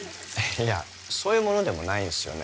いやそういうものでもないんすよね